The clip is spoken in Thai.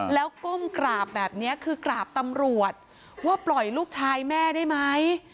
แล้วก้มกราบแบบนี้คือกราบตำรวจว่าปล่อยลูกชายแม่ได้ไหม